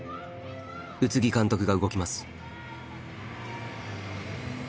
宇津木監督が動きます。